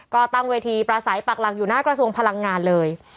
ก็ตั้งเวทีประสัยปักหลักอยู่หน้ากระทรวงพลังงานเลย